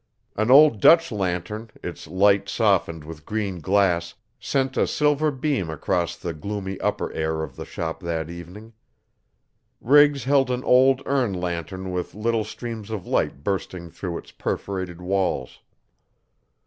An old Dutch lantern, its light softened with green glass, sent a silver bean across the gloomy upper air of the shop that evening. Riggs held an old un lantern with little streams of light bursting through its perforated walls.